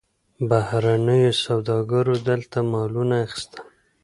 بهرنیو سوداګرو دلته مالونه اخیستل.